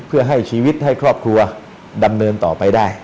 เพื่อให้ชีวิตให้ครอบครัวดำเนินต่อไปได้